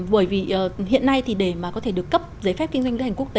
bởi vì hiện nay thì để mà có thể được cấp giấy phép kinh doanh lữ hành quốc tế